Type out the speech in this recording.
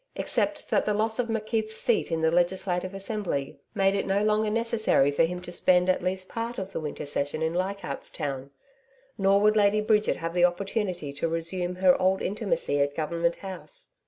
Except that the loss of McKeith's seat in the Legislative Assembly made it no longer necessary for him to spend at least part of the winter session in Leichardt's Town. Nor would Lady Bridget have the opportunity to resume her old intimacy at Government House.